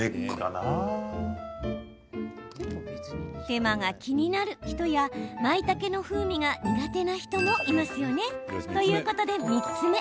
手間が気になる人やまいたけの風味が苦手な人もいますよね。ということで、３つ目。